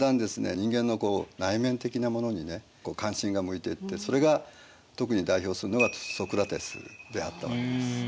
人間の内面的なものにね関心が向いていってそれが特に代表するのがソクラテスであったわけです。